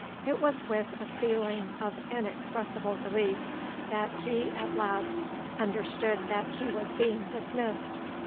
It was with a feeling of inexpressible relief that he at last understood that he was being dismissed.